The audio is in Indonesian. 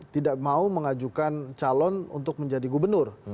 tidak mau mengajukan calon untuk menjadi gubernur